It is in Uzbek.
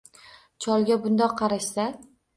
Cholga bundoq qarashsa